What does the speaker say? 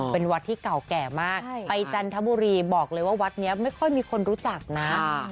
เป็นวัดที่เก่าแก่มากไปจันทบุรีบอกเลยว่าวัดนี้ไม่ค่อยมีคนรู้จักนะ